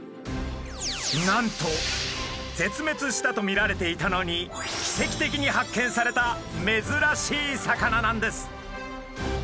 なんと絶滅したと見られていたのに奇跡的に発見されためずらしい魚なんです。